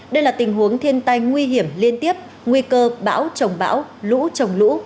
đây là tình huống thiên tai nguy hiểm liên tiếp nguy cơ bão trồng bão lũ trồng lũ